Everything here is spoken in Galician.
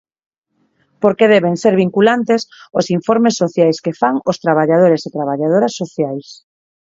Porque deben ser vinculantes os informes sociais que fan os traballadores e traballadoras sociais.